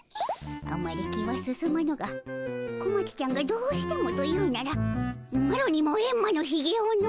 あまり気は進まぬが小町ちゃんがどうしてもというならマロにもエンマのひげをの。